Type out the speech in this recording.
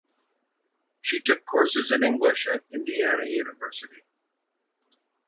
She took courses in English at Indiana University.